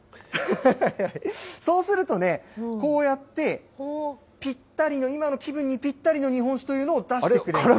そうするとね、こうやってぴったりの、今の気分にぴったりの日本酒というのを出してくれる。